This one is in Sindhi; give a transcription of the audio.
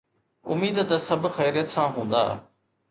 اميد ته سڀ خيريت سان هوندا.